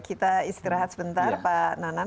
kita istirahat sebentar pak nanan